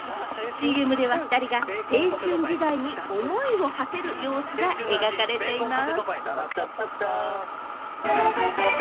ＣＭでは２人が青春時代に思いをはせる様子が描かれています。